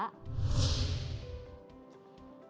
konsultasik selanjutnya datang dari twitter